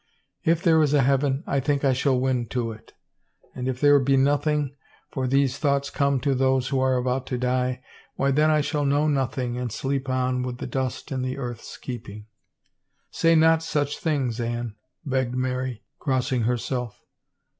If there is a heaven I think I shall win to it. And if there be nothing — for these thoughts come to those who are about to die — why then I shall know nothing and sleep on with the dust in the earth's keeping." " Say not such things, Anne," begged Mary, crossing herself.